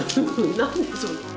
何でそう。